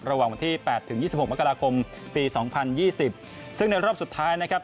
ระหว่างวันที่๘๒๖มกรกรมปี๒๐๒๐ซึ่งในรอบสุดท้ายนะครับ